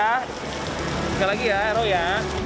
masuk lagi ya ero ya